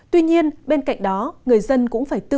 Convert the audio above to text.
tuy nhiên bên cạnh đó người dân cũng phải tự